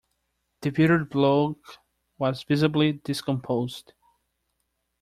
The bearded bloke was visibly discomposed.